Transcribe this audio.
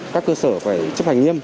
các cơ sở phải chấp hành nghiêm